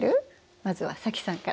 まずは早紀さんから。